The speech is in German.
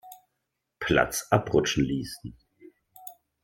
Platz abrutschen ließen.